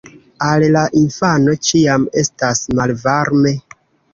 Al la infano ĉiam estas malvarme.